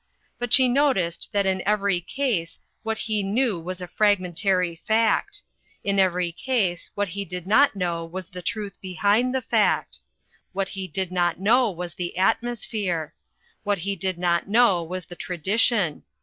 But she noted that in every case what he knew was a fragmen tary fact. In every case what he did not know was the truth behind the fact. What he did not know was the atmosphere. What he did not know was the tra dition.